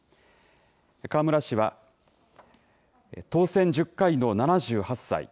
河村氏は、当選１０回の７８歳。